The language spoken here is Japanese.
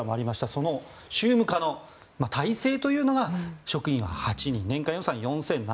その宗務課の体制というのが職員は８人年間予算４７００万円